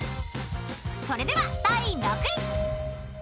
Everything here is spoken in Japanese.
［それでは第６位］